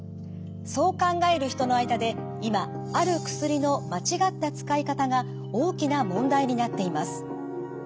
そう考える人の間で今ある薬の間違った使い方が大きな問題になっています。